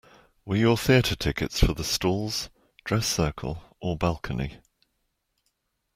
Were your theatre tickets for the stalls, dress circle or balcony?